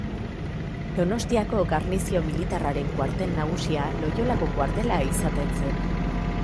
Donostiako garnizio militarraren kuartel nagusia Loiolako kuartela izaten zen.